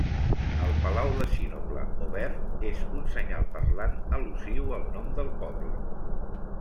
El palau de sinople, o verd, és un senyal parlant al·lusiu al nom del poble.